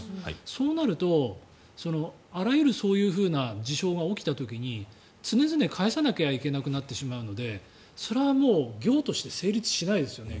そうなると、あらゆるそういうふうな事象が起きた時に常々返さなきゃいけなくなってしまうのでそれはもう業として成立しないですよね。